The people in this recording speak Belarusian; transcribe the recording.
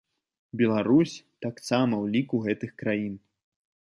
Беларусь таксама ў ліку гэтых краін.